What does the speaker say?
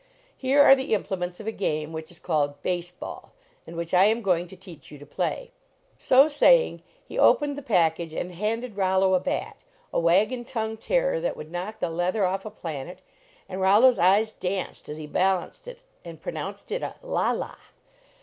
I K iv are the implements of a game which is called base ball, and which I am going to teach you to play." 63 LEARNING TO PLAY So saying he opened the package and handed Rollo a bat, a wagon tongue terror that would knock the leather off a planet, and Rollo s eyes danced as he balanced it and pronounced it a "la la."